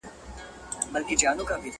نه لوګی نه مي لمبه سته جهاني رنګه ویلېږم!.